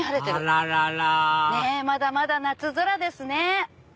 あらららまだまだ夏空ですね。